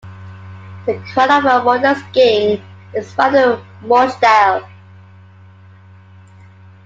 "The Cradle of Modern Skiing" is found in Morgedal.